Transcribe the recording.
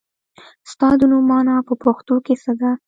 ستا د نوم مانا په پښتو کې څه ده ؟